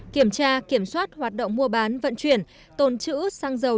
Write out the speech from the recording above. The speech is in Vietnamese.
kiểm tra kiểm soát hoạt động mua bán vận chuyển tồn trữ xăng dầu